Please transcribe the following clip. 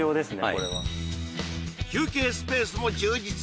これは休憩スペースも充実